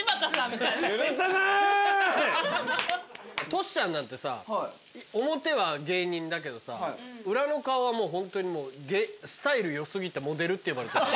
トシちゃんなんてさ表は芸人だけどさ裏の顔はホントにスタイル良過ぎてモデルって呼ばれてる。